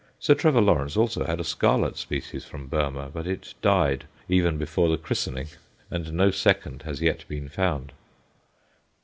Sir Trevor Lawrence had also a scarlet species from Burmah; but it died even before the christening, and no second has yet been found.